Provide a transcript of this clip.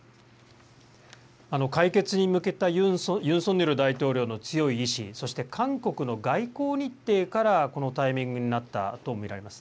解決に向けたユン・ソンニョル大統領の強い意思、そして韓国の外交日程からこのタイミングになったと見られます。